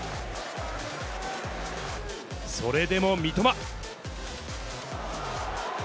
それでも三笘。